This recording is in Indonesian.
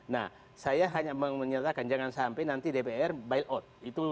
nah saya hanya menyatakan jangan sampai nanti dpr bailout